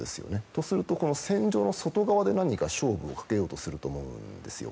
とすると戦場の外側で何か勝負をかけようとすると思うんですよ。